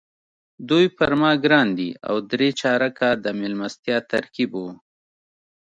دوی پر ما ګران دي او درې چارکه د میلمستیا ترکیب وو.